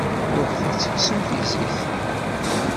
Ruḥet ad teksem tizit.